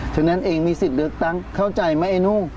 ฉะนั้นเองมีสิทธิ์เลือกตั้งเข้าใจไหมไอ้นุ่ง